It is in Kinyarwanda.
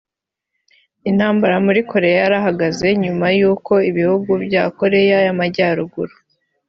Intambara muri Korea yarahagaze nyuma y’uko ibihugu bya Korea y’amajyaruguru